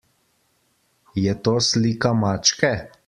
Je to slika mačke?